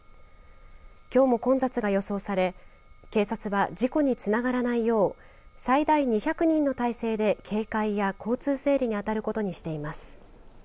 きょうも混雑が予想され警察は事故につながらないよう最大２００人の態勢で警戒や交通整理にあたることにしています。